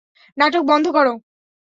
নাটক বন্ধ কর!